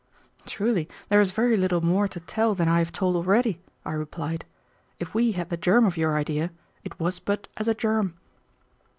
"Truly, there is very little more to tell than I have told already," I replied. "If we had the germ of your idea, it was but as a germ."